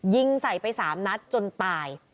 ยิงใส่ไป๓นัดจนตาย